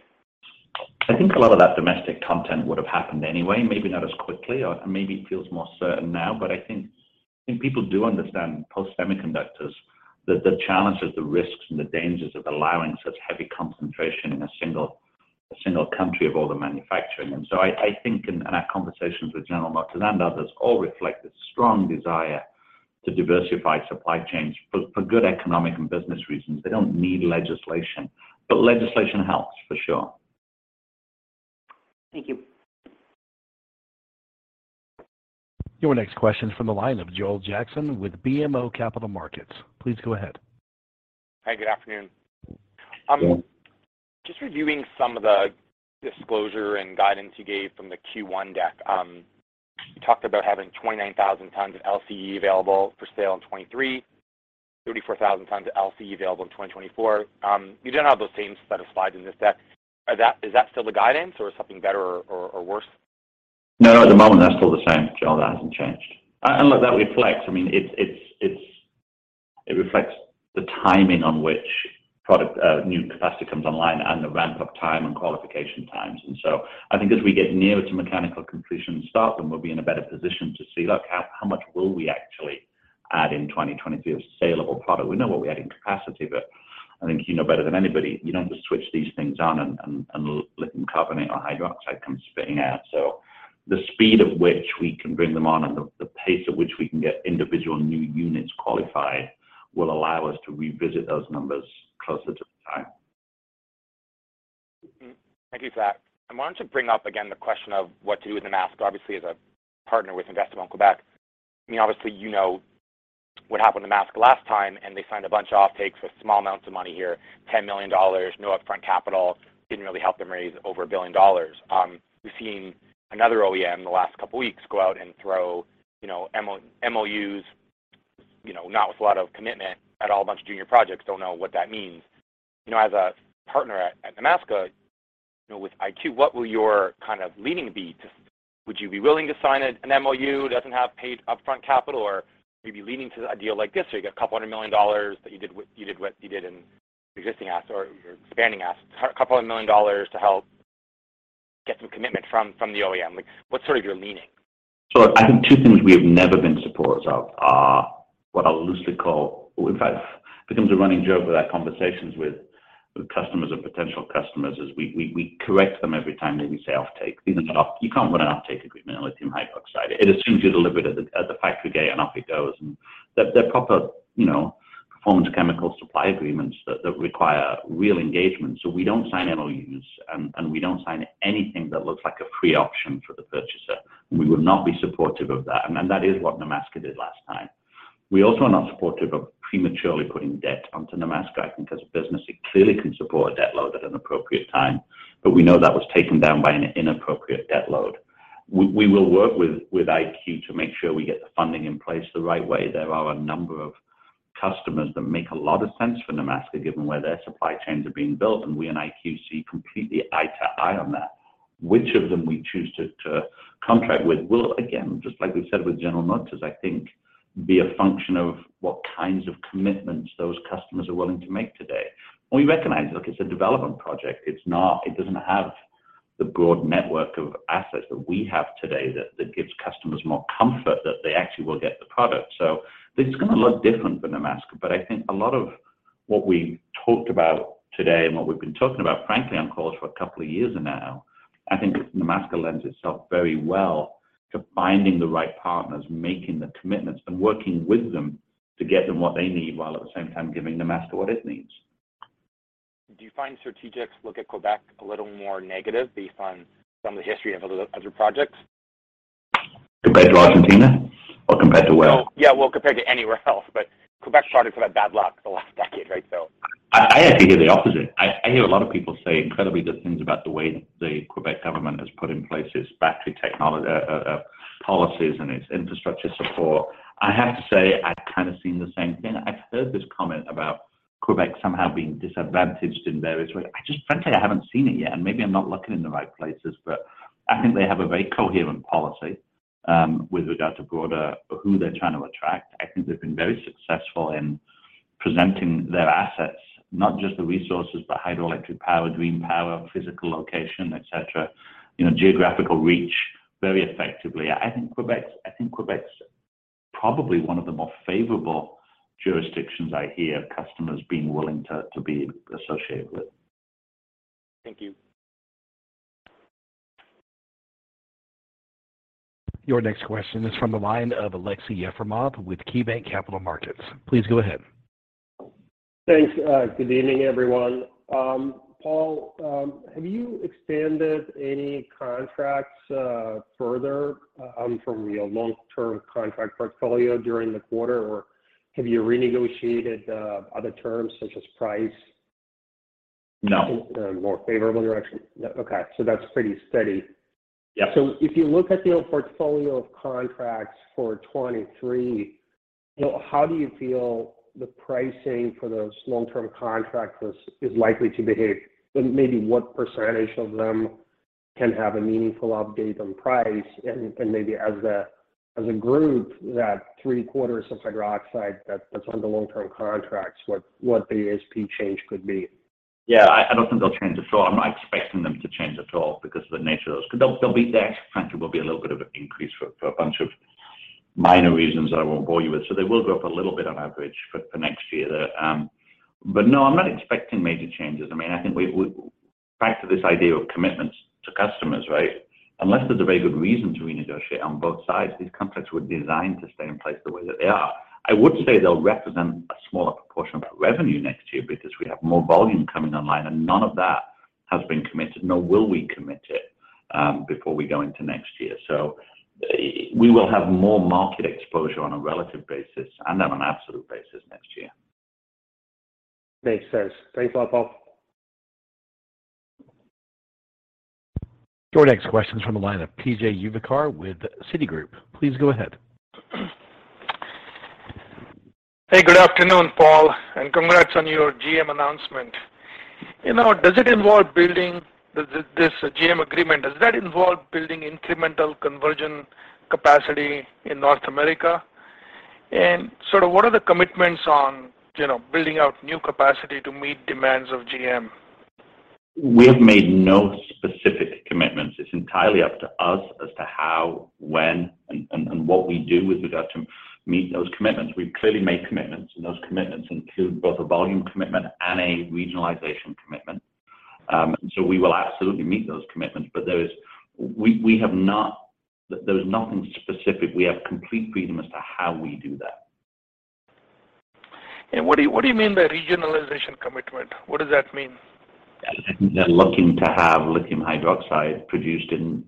I think a lot of that domestic content would have happened anyway, maybe not as quickly or maybe it feels more certain now. I think people do understand post semiconductors that the challenges, the risks and the dangers of allowing such heavy concentration in a single country of all the manufacturing. I think in our conversations with General Motors and others all reflect this strong desire to diversify supply chains for good economic and business reasons. They don't need legislation, but legislation helps for sure. Thank you. Your next question is from the line of Joel Jackson with BMO Capital Markets. Please go ahead. Hi, good afternoon. Just reviewing some of the disclosure and guidance you gave from the Q1 deck. You talked about having 29,000 tons of LCE available for sale in 2023, 34,000 tons of LCE available in 2024. You don't have those same set of slides in this deck. Is that still the guidance or something better or worse? No, at the moment, that's still the same, Joel. That hasn't changed. Look, that reflects. I mean, it reflects the timing on which product new capacity comes online and the ramp-up time and qualification times. I think as we get nearer to mechanical completion and start them, we'll be in a better position to see how much will we actually add in 2023 of saleable product. We know what we add in capacity, but I think you know better than anybody, you don't just switch these things on and lithium carbonate or hydroxide comes spitting out. The speed at which we can bring them on and the pace at which we can get individual new units qualified will allow us to revisit those numbers closer to the time. Thank you for that. I wanted to bring up again the question of what to do with Nemaska, obviously, as a partner with Investissement Québec. I mean, obviously, you know what happened to Nemaska last time, and they signed a bunch of offtakes for small amounts of money here, $10 million, no upfront capital, didn't really help them raise over $1 billion. We've seen another OEM in the last couple weeks go out and throw, you know, MOUs, you know, not with a lot of commitment at all, a bunch of junior projects. Don't know what that means. You know, as a partner at Nemaska, you know, with IQ, what will your kind of leaning be? Would you be willing to sign an MOU that doesn't have paid upfront capital or would you be leaning to a deal like this where you get $200 million that you did with your existing assets or your expanding assets, $2 million to help get some commitment from the OEM? Like, what's sort of your leaning? I think two things we have never been supporters of are what I'll loosely call. In fact, it becomes a running joke with our conversations with customers or potential customers, is that we correct them every time they say offtake. These are not. You can't run an offtake agreement on lithium hydroxide. It assumes you deliver it at the factory gate and off it goes. They're proper, you know, performance chemical supply agreements that require real engagement. We don't sign MOUs and we don't sign anything that looks like a pre-option for the purchaser. We would not be supportive of that. That is what Nemaska did last time. We also are not supportive of prematurely putting debt onto Nemaska. I think as a business, it clearly can support a debt load at an appropriate time, but we know that was taken down by an inappropriate debt load. We will work with IQ to make sure we get the funding in place the right way. There are a number of customers that make a lot of sense for Nemaska given where their supply chains are being built, and we and IQ see completely eye to eye on that. Which of them we choose to contract with will, again, just like we said with General Motors, I think be a function of what kinds of commitments those customers are willing to make today. We recognize, look, it's a development project. It's not. It doesn't have the broad network of assets that we have today that gives customers more comfort that they actually will get the product. This is gonna look different from Nemaska, but I think a lot of what we talked about today and what we've been talking about, frankly, on calls for a couple of years now, I think Nemaska lends itself very well to finding the right partners, making the commitments, and working with them to get them what they need, while at the same time giving Nemaska what it needs. Do you find strategics look at Québec a little more negative based on some of the history of other projects? Compared to Argentina or compared to where? Yeah, well, compared to anywhere else, but Québec projects have had bad luck the last decade, right? I actually hear the opposite. I hear a lot of people say incredibly good things about the way the Québec government has put in place its battery policies and its infrastructure support. I have to say, I've kinda seen the same thing. I've heard this comment about Québec somehow being disadvantaged in various ways. I just frankly haven't seen it yet, and maybe I'm not looking in the right places, but I think they have a very coherent policy with regard to broader who they're trying to attract. I think they've been very successful in presenting their assets, not just the resources, but hydroelectric power, green power, physical location, et cetera, you know, geographical reach very effectively. I think Québec's probably one of the more favorable jurisdictions I hear customers being willing to be associated with. Thank you. Your next question is from the line of Aleksey Yefremov with KeyBanc Capital Markets. Please go ahead. Thanks. Good evening, everyone. Paul, have you expanded any contracts further from your long-term contract portfolio during the quarter, or have you renegotiated other terms such as price? No in a more favorable direction? No. Okay. That's pretty steady. Yeah. If you look at the portfolio of contracts for 2023, you know, how do you feel the pricing for those long-term contracts is likely to behave? Maybe what percentage of them can have a meaningful update on price and maybe as a group, that three-quarters of hydroxide that's under long-term contracts, what the ASP change could be? Yeah. I don't think they'll change at all. I'm not expecting them to change at all because of the nature of those. They'll be there. Frankly, there will be a little bit of an increase for a bunch of minor reasons that I won't bore you with. They will go up a little bit on average for next year. No, I'm not expecting major changes. I mean, I think back to this idea of commitments to customers, right? Unless there's a very good reason to renegotiate on both sides, these contracts were designed to stay in place the way that they are. I would say they'll represent a smaller proportion of our revenue next year because we have more volume coming online, and none of that has been committed, nor will we commit it before we go into next year. We will have more market exposure on a relative basis and on an absolute basis next year. Makes sense. Thanks a lot, Paul. Your next question is from the line of P.J. Juvekar with Citigroup. Please go ahead. Hey, good afternoon, Paul, and congrats on your GM announcement. You know, does it involve building this GM agreement, does that involve building incremental conversion capacity in North America? Sort of what are the commitments on, you know, building out new capacity to meet demands of GM? We have made no specific commitments. It's entirely up to us as to how, when, and what we do with regard to meet those commitments. We've clearly made commitments, and those commitments include both a volume commitment and a regionalization commitment. We will absolutely meet those commitments. There is nothing specific. We have complete freedom as to how we do that. What do you mean by regionalization commitment? What does that mean? They're looking to have lithium hydroxide produced in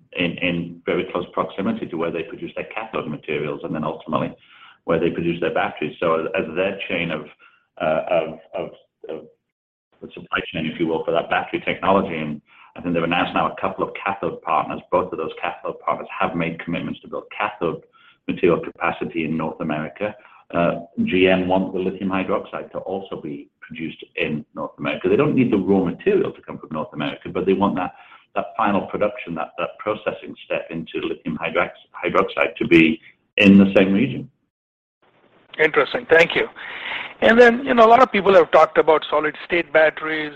very close proximity to where they produce their cathode materials and then ultimately where they produce their batteries. As their chain of the supply chain, if you will, for that battery technology, and I think they've announced now a couple of cathode partners. Both of those cathode partners have made commitments to build cathode material capacity in North America. GM want the lithium hydroxide to also be produced in North America. They don't need the raw material to come from North America, but they want that final production, that processing step into lithium hydroxide to be in the same region. Interesting. Thank you. You know, a lot of people have talked about solid-state batteries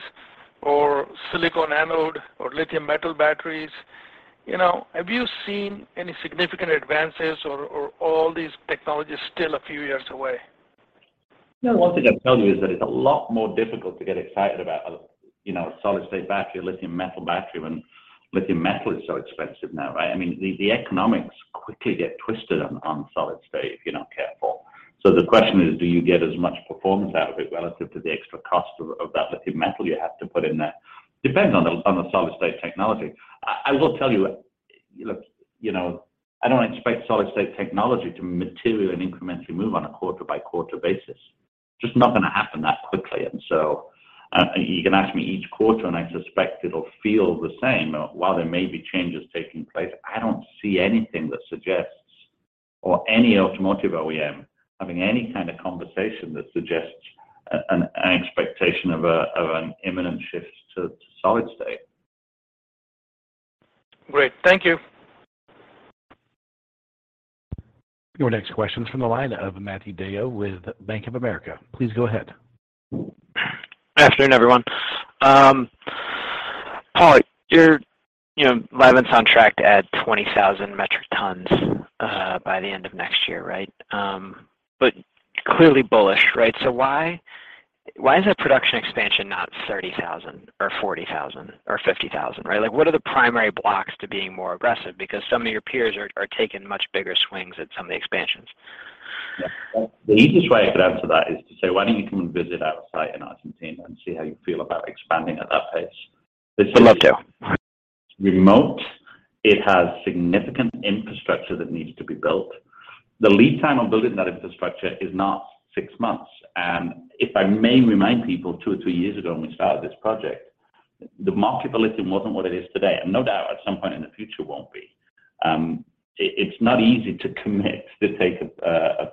or silicon anode or lithium metal batteries. You know, have you seen any significant advances or all these technologies still a few years away? You know, one thing I can tell you is that it's a lot more difficult to get excited about, you know, a solid-state battery, a lithium metal battery when lithium metal is so expensive now, right? I mean, the economics quickly get twisted on solid state if you're not careful. So the question is, do you get as much performance out of it relative to the extra cost of that lithium metal you have to put in there? Depends on the solid-state technology. I will tell you, look, you know, I don't expect solid-state technology to materially and incrementally move on a quarter-by-quarter basis. Just not gonna happen that quickly. You can ask me each quarter, and I suspect it'll feel the same. While there may be changes taking place, I don't see anything that suggests or any automotive OEM having any kind of conversation that suggests an expectation of an imminent shift to solid state. Great. Thank you. Your next question's from the line of Matthew DeYoe with Bank of America. Please go ahead. Afternoon, everyone. Paul, you're, you know, Livent's on track to add 20,000 metric tons by the end of next year, right? But clearly bullish, right? Why is that production expansion not 30,000 or 40,000 or 50,000, right? Like, what are the primary blocks to being more aggressive? Because some of your peers are taking much bigger swings at some of the expansions. Yeah. The easiest way I could answer that is to say, why don't you come and visit our site in Argentina and see how you feel about expanding at that pace? Would love to. It's remote. It has significant infrastructure that needs to be built. The lead time on building that infrastructure is not six months. If I may remind people, two or three years ago when we started this project, the market for lithium wasn't what it is today, and no doubt at some point in the future won't be. It's not easy to commit to take a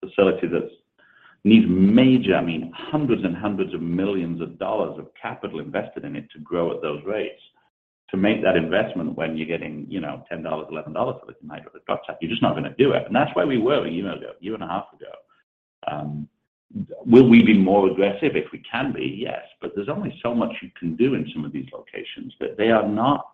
facility that needs major, I mean, hundreds and hundreds of millions of dollars of capital invested in it to grow at those rates. To make that investment when you're getting, you know, $10, $11 for the hydroxide, you're just not gonna do it. That's where we were a year ago, a year and a half ago. Will we be more aggressive if we can be? Yes. There's only so much you can do in some of these locations. It's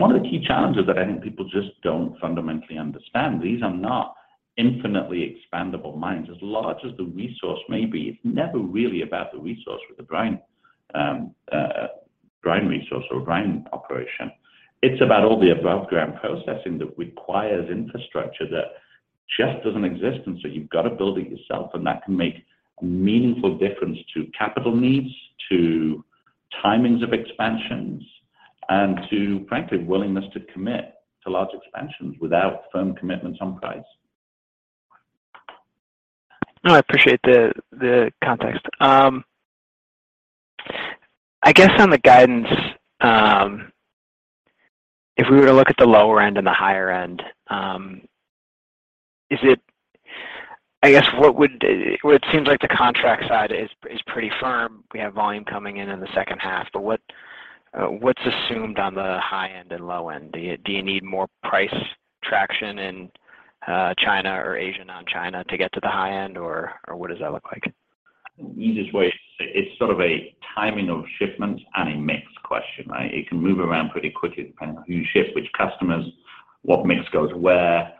one of the key challenges that I think people just don't fundamentally understand. These are not infinitely expandable mines. As large as the resource may be, it's never really about the resource with the brine resource or brine operation. It's about all the above ground processing that requires infrastructure that just doesn't exist, and so you've got to build it yourself, and that can make a meaningful difference to capital needs, to timings of expansions, and to frankly, willingness to commit to large expansions without firm commitments on price. No, I appreciate the context. I guess on the guidance, if we were to look at the lower end and the higher end, it seems like the contract side is pretty firm. We have volume coming in in the second half. But what's assumed on the high end and low end? Do you need more price traction in China or Asia non-China to get to the high end or what does that look like? The easiest way is it's sort of a timing of shipments and a mix question, right? It can move around pretty quickly depending on who you ship, which customers, what mix goes where.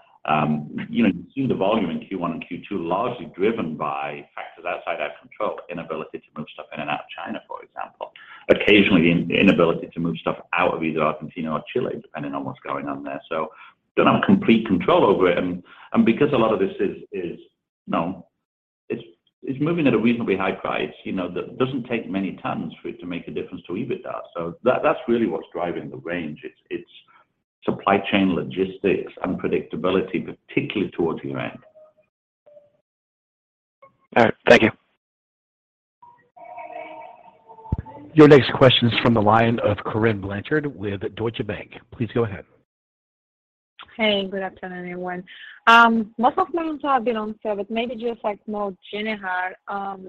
You know, you see the volume in Q1 and Q2 largely driven by factors outside our control, inability to move stuff in and out of China, for example. Occasionally, inability to move stuff out of either Argentina or Chile, depending on what's going on there. Don't have complete control over it. Because a lot of this is now moving at a reasonably high price, you know, that doesn't take many tons for it to make a difference to EBITDA. That's really what's driving the range. It's supply chain logistics, unpredictability, particularly towards the end. All right. Thank you. Your next question is from the line of Corinne Blanchard with Deutsche Bank. Please go ahead. Hey, good afternoon, everyone. Most of my answers have been answered, but maybe just like more general, do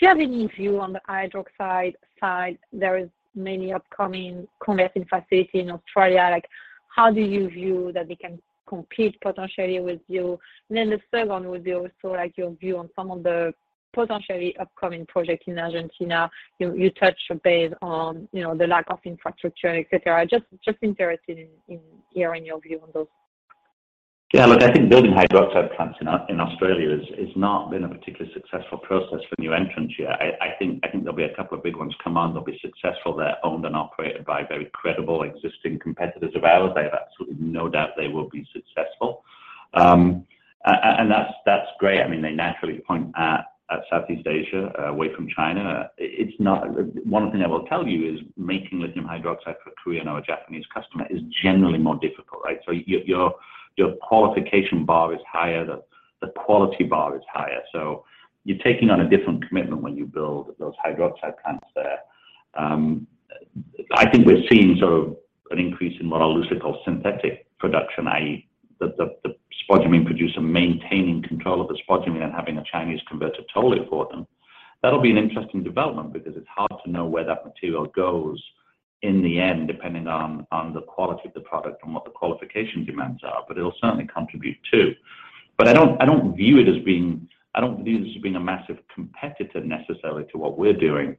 you have any view on the hydroxide side? There is many upcoming conversion facility in Australia. Like, how do you view that they can compete potentially with you? Then the second would be also like your view on some of the potentially upcoming projects in Argentina. You touched base on, you know, the lack of infrastructure, et cetera. Just interested in hearing your view on those. Yeah, look, I think building hydroxide plants in Australia has not been a particularly successful process for new entrants yet. I think there'll be a couple of big ones come on. They'll be successful. They're owned and operated by very credible existing competitors of ours. I have absolutely no doubt they will be successful. And that's great. I mean, they naturally point at Southeast Asia, away from China. It's not. One thing I will tell you is making lithium hydroxide for a Korean or a Japanese customer is generally more difficult, right? So your qualification bar is higher. The quality bar is higher. So you're taking on a different commitment when you build those hydroxide plants there. I think we're seeing sort of an increase in what I'll loosely call synthetic production, i.e., the spodumene producer maintaining control of the spodumene and having a Chinese converter toll it for them. That'll be an interesting development because it's hard to know where that material goes in the end, depending on the quality of the product and what the qualification demands are, but it'll certainly contribute too. I don't view this as being a massive competitor necessarily to what we're doing,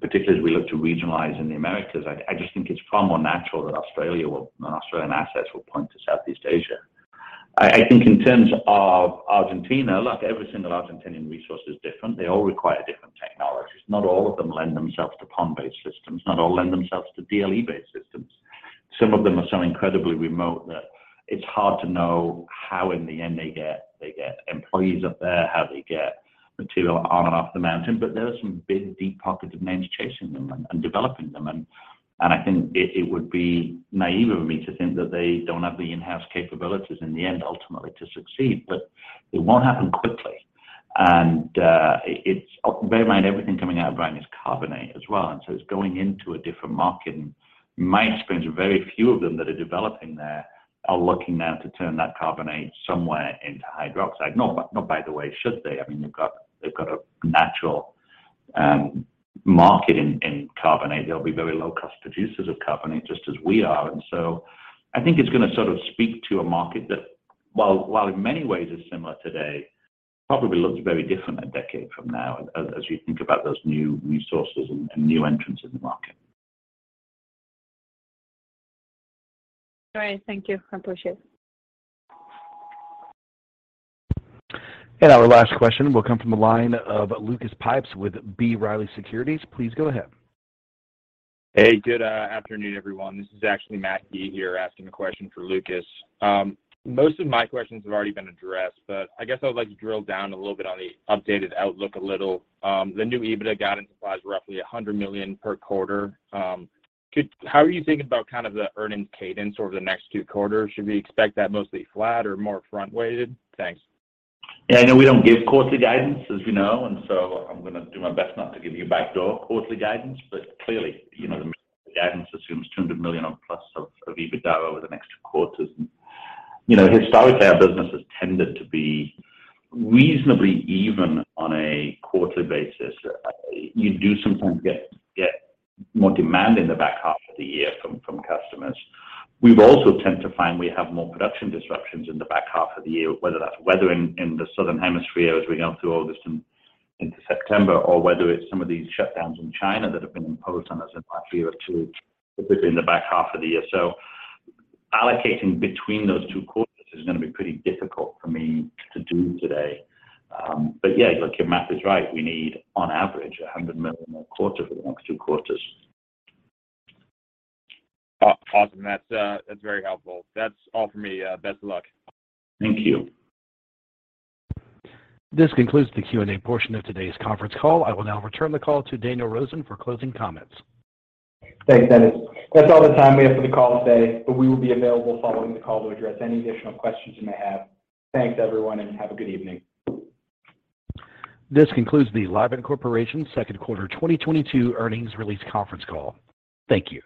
particularly as we look to regionalize in the Americas. I just think it's far more natural that Australian assets will point to Southeast Asia. I think in terms of Argentina, look, every single Argentine resource is different. They all require different technologies. Not all of them lend themselves to pond-based systems. Not all lend themselves to DLE-based systems. Some of them are so incredibly remote that it's hard to know how in the end they get employees up there, how they get material on and off the mountain. There are some big, deep-pocketed names chasing them and developing them. I think it would be naive of me to think that they don't have the in-house capabilities in the end ultimately to succeed. It won't happen quickly. Bear in mind, everything coming out of brine is carbonate as well, and so it's going into a different market. My experience with very few of them that are developing there are looking now to turn that carbonate somewhere into hydroxide. Not by the way should they. I mean, they've got a natural market in carbonate. They'll be very low-cost producers of carbonate, just as we are. I think it's gonna sort of speak to a market that while in many ways is similar today, probably looks very different a decade from now as you think about those new resources and new entrants in the market. Great. Thank you. I appreciate it. Our last question will come from the line of Lucas Pipes with B. Riley Securities. Please go ahead. Hey, good afternoon, everyone. This is actually Matt Key here asking a question for Lucas. Most of my questions have already been addressed, but I guess I would like to drill down a little bit on the updated outlook a little. The new EBITDA guidance implies roughly $100 million per quarter. How are you thinking about kind of the earnings cadence over the next two quarters? Should we expect that mostly flat or more front-weighted? Thanks. Yeah. No, we don't give quarterly guidance, as you know, and so I'm gonna do my best not to give you backdoor quarterly guidance. Clearly, you know, the guidance assumes $200 million or plus of EBITDA over the next two quarters. You know, historically our business has tended to be reasonably even on a quarterly basis. You do sometimes get more demand in the back half of the year from customers. We've also tend to find we have more production disruptions in the back half of the year, whether that's weather in the Southern Hemisphere as we go through August and into September, or whether it's some of these shutdowns in China that have been imposed on us in Q2, particularly in the back half of the year. Allocating between those two quarters is gonna be pretty difficult for me to do today. Yeah, look, your math is right. We need on average $100 million more per quarter for the next two quarters. Awesome. That's, that's very helpful. That's all for me. Best of luck. Thank you. This concludes the Q&A portion of today's conference call. I will now return the call to Daniel Rosen for closing comments. Thanks, Dennis. That's all the time we have for the call today. We will be available following the call to address any additional questions you may have. Thanks, everyone, and have a good evening. This concludes the Livent Corporation second quarter 2022 earnings release conference call. Thank you.